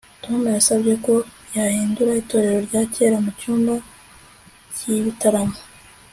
tom yasabye ko bahindura itorero rya kera mu cyumba cy'ibitaramo